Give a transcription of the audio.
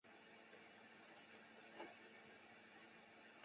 大家要看清楚。